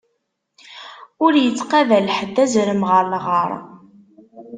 Ur ittqabal ḥedd azrem ɣeṛ lɣaṛ.